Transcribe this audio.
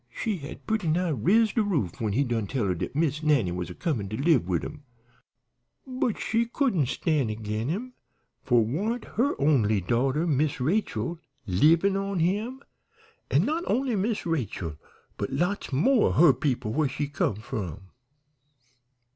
She had purty nigh riz de roof when he done tell her dat Miss Nannie was a comin' to live wid 'em, but she couldn't stand agin him, for warn't her only daughter, Miss Rachel, livin' on him, an' not only Miss Rachel, but lots mo' of her people where she come from?